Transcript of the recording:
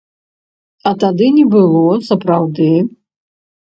А тады не было сапраўды.